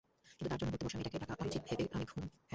কিন্তু তার জন্য পড়তে বসা মেয়েটাকে ডাকা অনুচিত ভেবে আমি ঘুম।